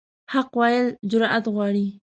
حق ویل جرأت غواړي.